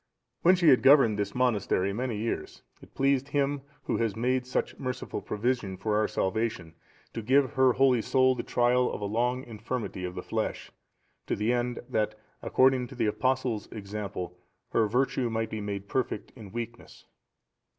When she had governed this monastery many years, it pleased Him Who has made such merciful provision for our salvation, to give her holy soul the trial of a long infirmity of the flesh, to the end that, according to the Apostle's example, her virtue might be made perfect in weakness.